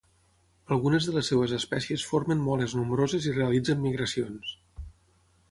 Algunes de les seues espècies formen moles nombroses i realitzen migracions.